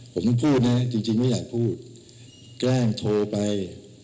ผมพูดนะจริงไม่อยากพูดแกล้งโทรไป